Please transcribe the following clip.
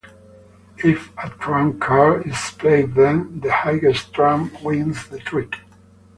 If a trump card is played then the highest trump wins the trick.